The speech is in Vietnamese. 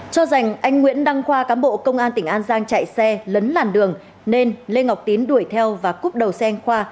cho rằng anh nguyễn đăng khoa cán bộ công an tỉnh an giang chạy xe lấn làn đường nên lê ngọc tín đuổi theo và cúp đầu xe anh khoa